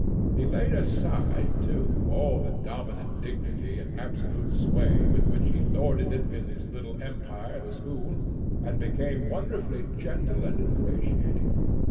He laid aside, too, all the dominant dignity and absolute sway with which he lorded it in his little empire, the school, and became wonderfully gentle and ingratiating.